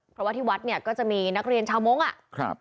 เพราะว่าที่วัดเนี่ยก็จะมีนักเรียนชาวมงค์อ่ะครับ